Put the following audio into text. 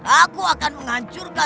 aku akan menghancurkan